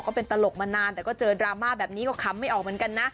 ก็เป็นตลกมานานแต่ก็เจอดราม่าแบบนี้ก็ค้ำไม่ออกเหมือนกันนะ